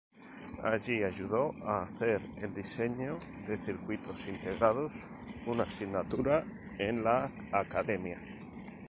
Allí ayudó a hacer el diseño de circuitos integrados una asignatura en la academia.